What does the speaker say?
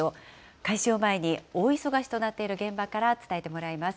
開始を前に、大忙しとなっている現場から伝えてもらいます。